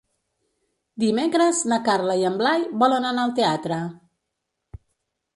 Dimecres na Carla i en Blai volen anar al teatre.